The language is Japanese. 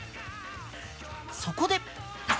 そこで。